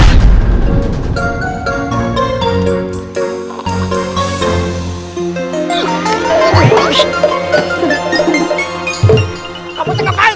kalau saya akan mengel betrayediku